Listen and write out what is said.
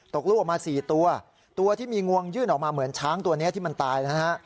ลูกออกมา๔ตัวตัวที่มีงวงยื่นออกมาเหมือนช้างตัวนี้ที่มันตายนะฮะ